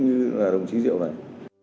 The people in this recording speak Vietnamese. như là đồng chí diệu này